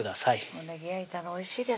おねぎ焼いたのおいしいです